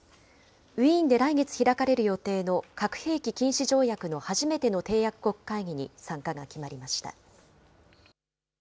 ウィーンで来月開かれる予定の核兵器禁止条約の初めての締約国会議に参加が決まりました。